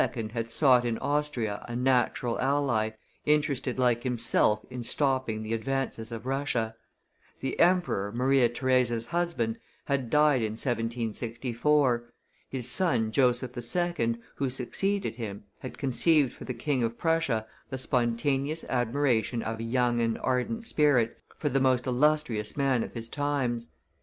had sought in Austria a natural ally, interested like himself in stopping the advances of Russia. The Emperor, Maria Theresa's husband, had died in 1764; his son, Joseph II., who succeeded him, had conceived for the King of Prussia the spontaneous admiration of a young and ardent spirit for the most illustrious man of his times.